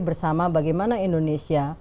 bersama bagaimana indonesia